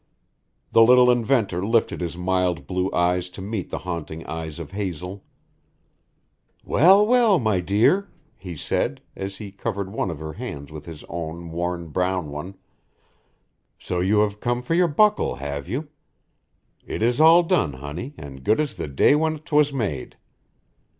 The little inventor lifted his mild blue eyes to meet the haunting eyes of hazel. "Well, well, my dear," he said, as he covered one of her hands with his own worn brown one, "so you have come for your buckle, have you? It is all done, honey, an' good as the day when 'twas made.